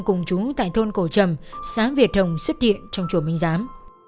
cùng chúng tại thôn cổ trầm xã việt hồng xuất hiện trong chùa minh giám